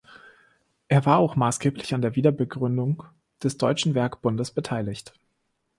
Er war auch maßgeblich an der Wiederbegründung des Deutschen Werkbundes beteiligt.